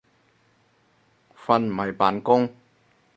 瞓唔係扮工